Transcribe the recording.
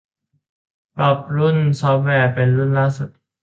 ปรับรุ่นซอฟต์แวร์เป็นรุ่นล่าสุด